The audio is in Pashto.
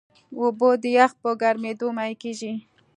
اوبه د یخ په ګرمیېدو مایع کېږي.